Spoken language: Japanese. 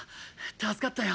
助かったよ。